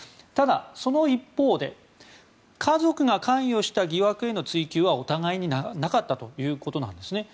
ただ、その一方で家族が関与した疑惑への追及はお互いになかったということです。